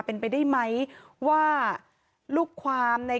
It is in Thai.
เป็นไปได้ไหมว่าลูกความใน